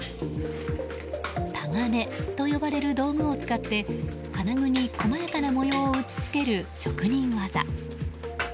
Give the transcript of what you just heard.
たがねと呼ばれる道具を使って金具に細やかな模様を打ち付ける職人技。